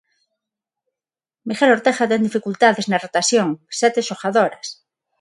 Miguel Ortega ten dificultades na rotación, sete xogadoras.